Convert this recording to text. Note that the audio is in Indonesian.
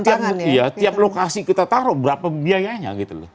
kalau misalnya tiap lokasi kita taruh berapa biayanya